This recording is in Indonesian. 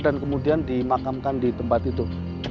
dan kemudian dimakamkan di tempat itu